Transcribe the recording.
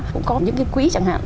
cũng có những cái quỹ chẳng hạn